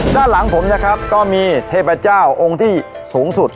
ด้านหลังผมนะครับก็มีเทพเจ้าองค์ที่สูงสุด